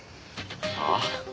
ああ。